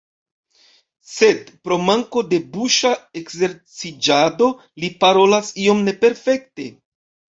Sed, pro manko de buŝa ekzerciĝado, li parolas iom neperfekte.